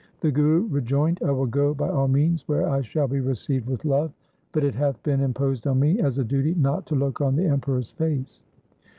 The Guru rejoined, ' I will go by all means where I shall be received with love, but it hath been imposed on me as a duty not to look on the Emperor's face.